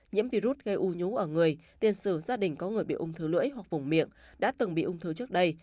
nhiễm virus gây ung nhú ở người tiền sử gia đình có người bị ung thư lưỡi hoặc vùng miệng đã từng bị ung thư trước đây